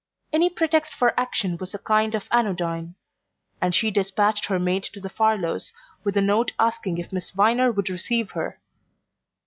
Any pretext for action was a kind of anodyne, and she despatched her maid to the Farlows' with a note asking if Miss Viner would receive her.